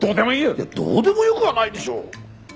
いやどうでもよくはないでしょう！